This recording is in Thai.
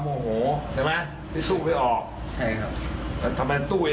โกงเราเนี่ยใช่ไหมอย่างนี้เหรอ